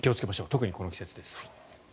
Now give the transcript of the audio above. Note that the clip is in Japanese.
特にこの季節です。